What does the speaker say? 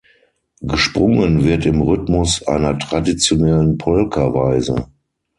Gesprungen wird im Rhythmus einer traditionellen Polka-Weise.